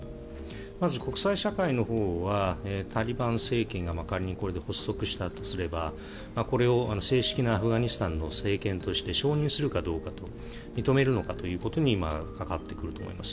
まず国際社会のほうはタリバン政権が仮に発足したとすればこれを正式なアフガニスタンの政権として承認するかどうかと認めるのかということにかかってくると思います。